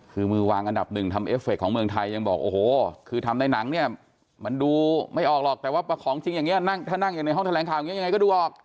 คือมือวางอันดับหนึ่งทำเอฟเคของเมืองไทยยังบอกโอ้โหคือทำในหนังเนี่ยมันดูไม่ออกหรอกแต่ว่าของจริงอย่างนี้ถ้านั่งอยู่ในห้องแถลงข่าวอย่างนี้ยังไงก็ดูออก